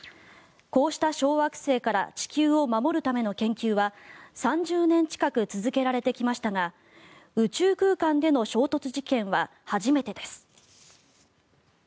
こうした小惑星から地球を守るための研究は３０年近く続けられてきましたが宇宙空間での衝突実験は初めてです。